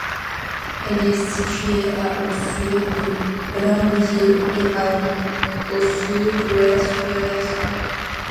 Elle est située à au sud de Rambouillet et à au sud-ouest de Versailles.